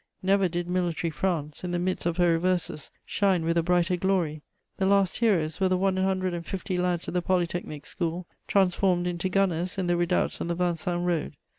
Never did military France, in the midst of her reverses, shine with a brighter glory; the last heroes were the one hundred and fifty lads of the Polytechnic School, transformed into gunners in the redoubts on the Vincennes Road.